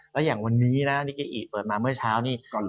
แล้วอย่างวันนี้นะนิเกอิเปิดมาเมื่อเช้านี้